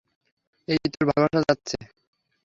এই, তোর ভালোবাসা যাচ্ছে।